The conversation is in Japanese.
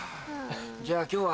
じゃあ今日は。